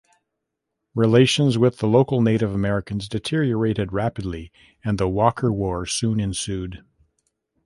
Relations with the local Native Americans deteriorated rapidly and the Walker War soon ensued.